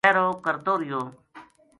پہرو کرتو رہیو